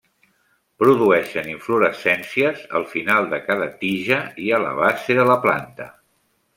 Produeixen inflorescències al final de cada tija i a la base de la planta.